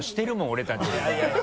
俺たちに。